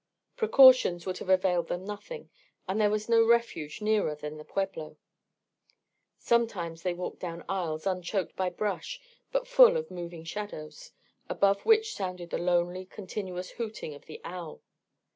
Precautions would have availed them nothing, and there was no refuge nearer than the pueblo. Sometimes they walked down aisles unchoked by brush but full of moving shadows, above which sounded the lonely continuous hooting of the owl.